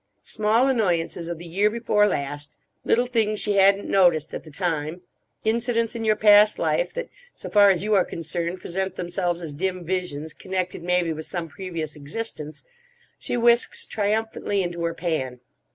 Small annoyances of the year before last—little things she hadn't noticed at the time—incidents in your past life that, so far as you are concerned, present themselves as dim visions connected maybe with some previous existence, she whisks triumphantly into her pan.